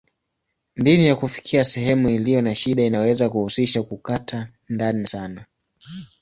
Mbinu ya kufikia sehemu iliyo na shida inaweza kuhusisha kukata ndani sana.